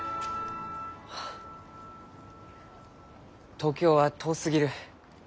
東京は遠すぎる。